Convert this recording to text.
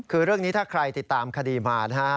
คือเรื่องนี้ถ้าใครติดตามคดีมานะฮะ